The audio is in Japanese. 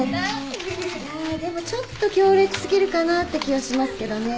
でもちょっと強烈過ぎるかなって気はしますけどね。